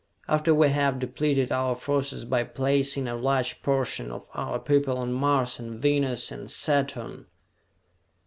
after we have depleted our forces by placing a large portion of our people on Mars and Venus and Saturn?"